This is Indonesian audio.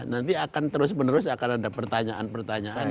nanti akan terus menerus akan ada pertanyaan pertanyaan